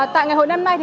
tại ngày hội năm nay